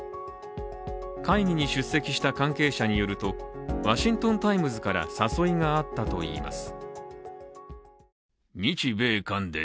会議に出席した関係者によると、「ワシントン・タイムズ」から誘いがあったといいます。